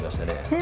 え